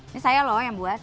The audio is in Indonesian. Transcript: ini saya loh yang buat